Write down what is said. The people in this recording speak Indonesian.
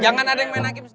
jangan ada yang menangin